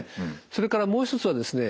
それからもう一つはですね